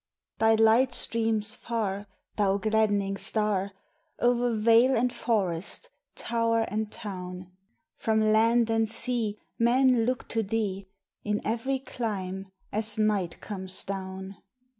Thy light streams far, thou gladdening star, O'er vale and forest, tower and town: From land and sea men look to thee, In every clime, as night comes down.